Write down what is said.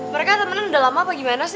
mereka temennya udah lama apa gimana sih